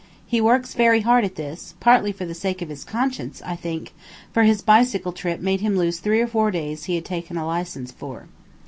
He works very hard at this, partly for the sake of his conscience, I think, for his bicycle trip made him lose three or four days he had taken a license for.